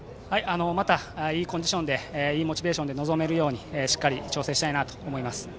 またいいコンディションでいいモチベーションで臨めるように調整したいなと思います。